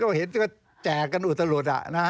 ก็เห็นก็แจกกันอุตลุด